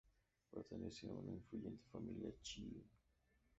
Pertenece a una influyente familia chií.